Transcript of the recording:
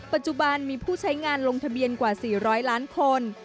ปัจจุบันมีผู้ใช้งานลงทะเบียนกว่า๔๐๐ล้านคน